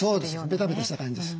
ベタベタした感じです。